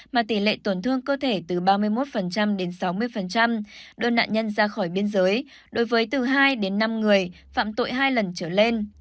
mà tỷ lệ tổn thương cơ thể từ ba mươi một đến sáu mươi đưa nạn nhân ra khỏi biên giới đối với từ hai đến năm người phạm tội hai lần trở lên